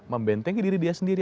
membentengi diri dia sendiri